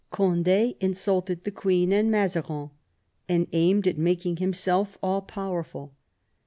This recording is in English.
Cond6 insulted the queen and Mazarin, and aimed at making himself all powerful.